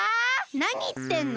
なにいってんの！？